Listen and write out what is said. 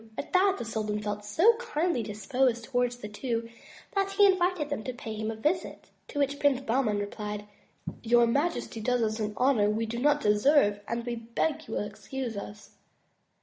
At that the sultan felt so kindly disposed towards the two that he invited them to pay him a visit, to which Prince Bahman replied: Your majesty does us an honor we do not deserve and we beg you will excuse us."